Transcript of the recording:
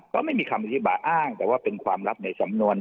ก็ไม่มีคำอธิบายอ้างแต่ว่าเป็นความลับในสำนวน